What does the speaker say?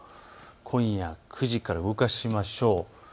今夜９時から動かしましょう。